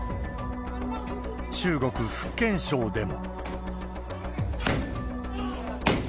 中国・福建省でも。